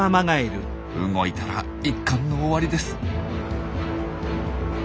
動いたら一巻の終わりです。